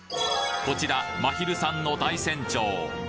こちらまひるさんの大山町。